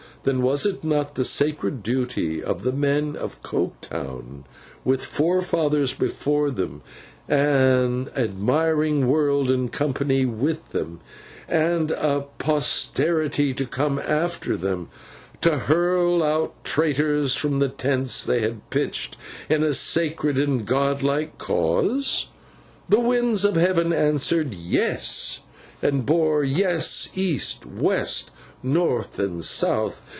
Then was it not the sacred duty of the men of Coketown, with forefathers before them, an admiring world in company with them, and a posterity to come after them, to hurl out traitors from the tents they had pitched in a sacred and a God like cause? The winds of heaven answered Yes; and bore Yes, east, west, north, and south.